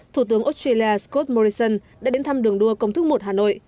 thủ tướng australia scott morrison đã đến thăm đường đua công thức một hà nội